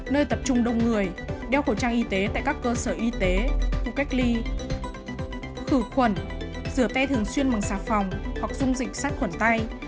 hoặc dung dịch sát khuẩn tay